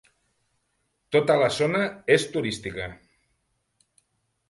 Tota la zona és turística.